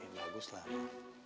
ya baguslah ma